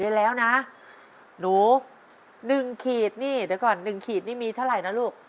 เป็นแล้วนะหนู๑ขีดนี่นึกก่อน๑ขีดนี่มีเท่าไหร่นะลูก